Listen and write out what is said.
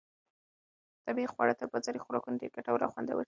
طبیعي خواړه تر بازاري خوراکونو ډېر ګټور او خوندور دي.